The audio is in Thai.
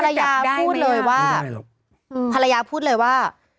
ยาพูดเลยว่าภรรยาพูดเลยว่า